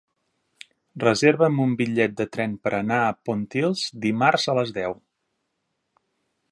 Reserva'm un bitllet de tren per anar a Pontils dimarts a les deu.